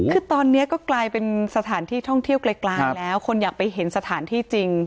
คือตอนนี้ก็กลายเป็นสถานที่ท่องเที่ยวไกลแล้วคนอยากไปเห็นสถานที่จริง